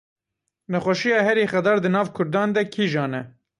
Nexweşiya herî xedar di nav kurdan de kîjan e?